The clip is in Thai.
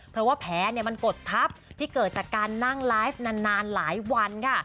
เพราะว่าแผลมันกดทับที่เกิดจากการนั่งไลฟ์นานหลายวันค่ะ